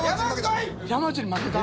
山内に負けた！